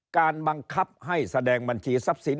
การบังคับให้แสดงบัญชีทรัพย์สิน